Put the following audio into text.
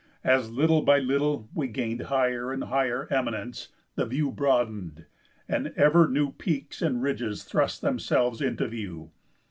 As little by little we gained higher and higher eminence the view broadened, and ever new peaks and ridges thrust themselves into view.